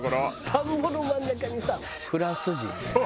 田んぼの真ん中にさフランス人みたいな。